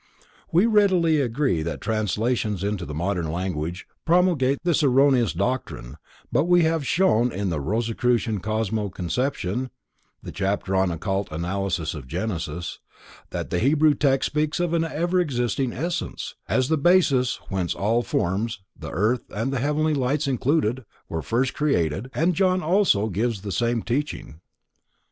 We readily agree that translations into the modern languages promulgate this erroneous doctrine, but we have shown in The Rosicrucian Cosmo Conception (chapter on "the Occult Analysis of Genesis"), that the Hebrew text speaks of an ever existing essence, as the basis whence all forms, the earth and the heavenly lights included, were first created, and John also gives the same teaching.